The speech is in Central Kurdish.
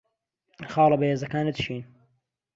خاڵە بەهێزەکانت چین؟